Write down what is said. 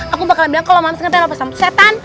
aku bakal bilang kalau mams ngerti orang ketiga itu setan